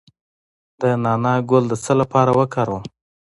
د نعناع ګل د څه لپاره وکاروم؟